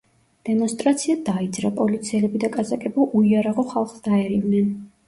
დემონსტრაცია დაიძრა, პოლიციელები და კაზაკები უიარაღო ხალხს დაერივნენ.